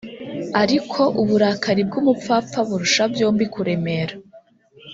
ariko uburakari bw’umupfapfa burusha byombi kuremera